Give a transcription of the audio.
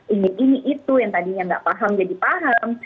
ini ini itu yang tadinya nggak paham jadi paham